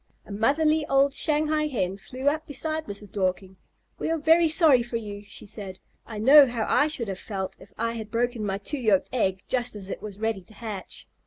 A motherly old Shanghai Hen flew up beside Mrs. Dorking. "We are very sorry for you," she said. "I know how I should have felt if I had broken my two yolked egg just as it was ready to hatch."